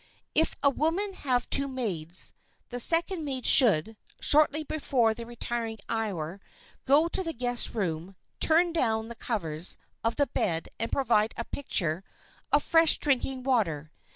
If a woman have two maids, the second maid should, shortly before the retiring hour, go to the guest's room, turn down the covers of the bed and provide a pitcher of fresh drinking water.